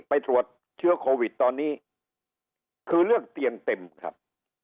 ไปตรวจเชื้อโควิดตอนนี้คือเรื่องเตียงเต็มครับ